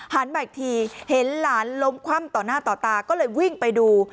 มาอีกทีเห็นหลานล้มคว่ำต่อหน้าต่อตาก็เลยวิ่งไปดู